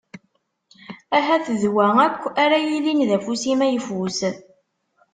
Ahat d wa akk ara yillin d afus-im ayfus.